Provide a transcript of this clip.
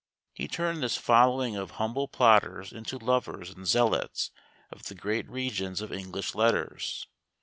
He turned this following of humble plodders into lovers and zealots of the great regions of English letters.